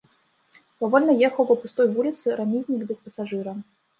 Павольна ехаў па пустой вуліцы рамізнік без пасажыра.